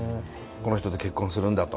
この人と結婚するんだと。